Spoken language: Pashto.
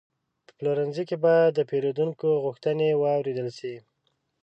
په پلورنځي کې باید د پیرودونکو غوښتنې واورېدل شي.